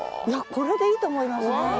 いやこれでいいと思いますね。